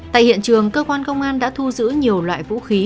tại hiện trường cơ quan công an đã thu giữ nhiều loại vũ khí